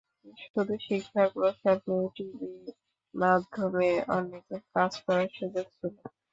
শুধু শিক্ষার প্রসার নিয়েই টিভি মাধ্যমে অনেক কাজ করার সুযোগ ছিল।